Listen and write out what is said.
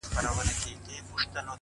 مه وله د سترگو اټوم مه وله،